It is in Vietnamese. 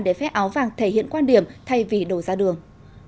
để phát áo vàng thể hiện quan điểm thay vì đổ ra đường